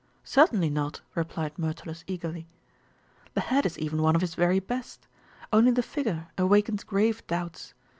"Certainly not," replied Myrtilus eagerly. "The head is even one of his very best. Only the figure awakens grave doubts.